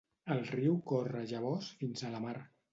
El riu corre llavors fins a la mar.